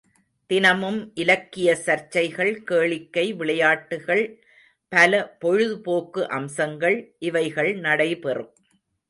தினமும் இலக்கிய சர்ச்சைகள், கேளிக்கை, விளையாட்டுகள், பல பொழுதுபோக்கு அம்சங்கள் இவைகள் நடைபெறும்.